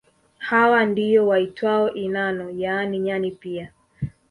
Hawa ndio waitwao inano yaani nyani pia